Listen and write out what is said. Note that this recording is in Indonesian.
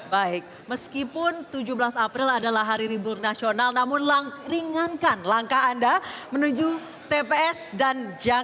baik meskipun tujuh belas april adalah hari libur nasional namun ringankan langkah anda menuju tps dan jalan